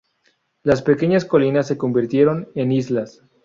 Las pequeñas colinas se convirtieron en islas.